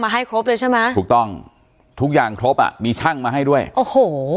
ให้ครบเลยใช่ไหมถูกต้องทุกอย่างครบอ่ะมีช่างมาให้ด้วยโอ้โห